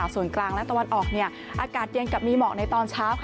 ส่วนกลางและตะวันออกอากาศเย็นกับมีหมอกในตอนเช้า